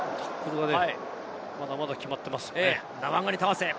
タックルがまだまだ決まっていますね。